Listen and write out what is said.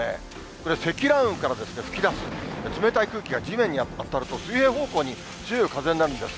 これ、積乱雲から吹き出す冷たい空気が地面に当たると、水平方向に強い風になるんです。